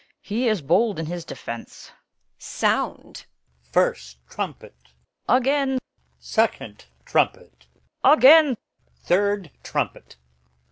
He is bold in his defence.' Edm. Sound! First trumpet. Her. Again! Second trumpet. Her. Again! Third trumpet.